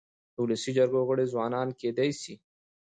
د ولسي جرګو غړي ځوانان کيدای سي.